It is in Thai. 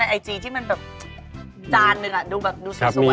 ในไอจีที่มันแบบจานหนึ่งอ่ะดูแบบดูสวยอย่างนี้